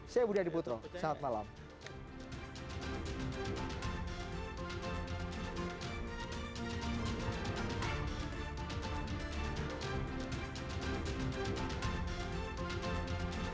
saya budi adiputro selamat malam